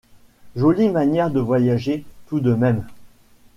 Jolie manière de voyager, tout de même!